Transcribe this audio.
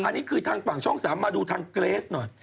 อันนี้คือทางฝั่งช่อง๓มาดูทางเกรสหน่อย